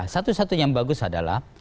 satu satunya yang bagus adalah